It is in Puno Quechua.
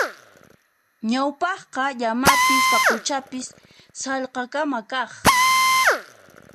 Ñawpaqqa llamapis paquchapis sallqakama kaq.